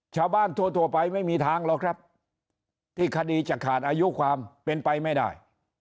ชาวบ้านทั่วไปไม่มีทางหรอกครับที่คดีจะขาดอายุความเป็นไปไม่ได้